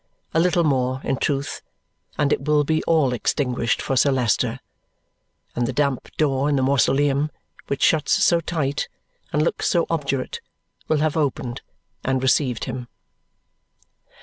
A little more, in truth, and it will be all extinguished for Sir Leicester; and the damp door in the mausoleum which shuts so tight, and looks so obdurate, will have opened and received him.